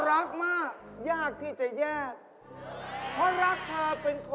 เราต้องเถ้ารักให้เลิศเลย